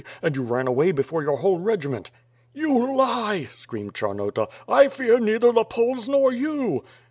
and you ran away before your whole regiment." "You lie," screamed Charnota, "I fear neither the Poles nor you."